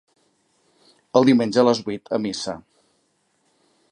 El diumenge, a les vuit, a missa